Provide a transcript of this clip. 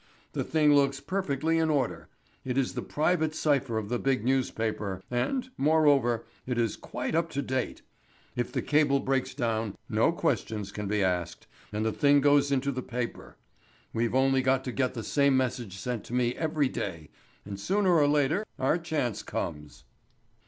The thing looks perfectly in order; it is the private cypher of the big newspaper, and, moreover, it is quite up to date. If the cable breaks down no questions can be asked, and the thing goes into the paper. We've only got to get the same message sent to me every day, and sooner or later our chance comes."